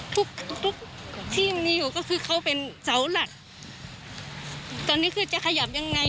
ทุกทุกที่มีอยู่ก็คือเขาเป็นเสาหลักตอนนี้คือจะขยับยังไง